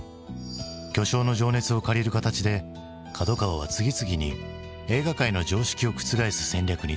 巨匠の情熱を借りる形で角川は次々に映画界の常識を覆す戦略に出る。